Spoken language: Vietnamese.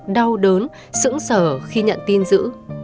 đau đớn sững sở khi nhận tin dữ